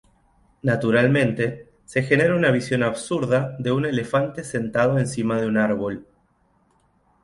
Naturalmente, se genera una visión absurda de un elefante sentado encima de un árbol.